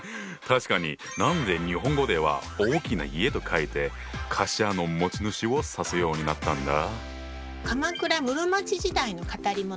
確かに何で日本語では「大きな家」と書いて「貸家の持ち主」を指すようになったんだ？